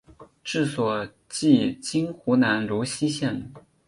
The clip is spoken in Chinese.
治所即今湖南泸溪县。